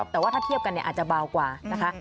แต่ว่าถ้าเทียบกันอาจจะเบากว่านะคะ